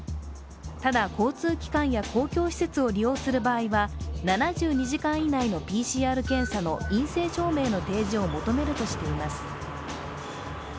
ただ、交通機関や公共施設を利用する場合は７２時間以内のＰＣＲ検査の陰性証明の提示を求めるとしています。